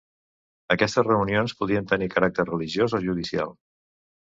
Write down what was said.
Aquestes reunions podien tenir caràcter religiós o judicial.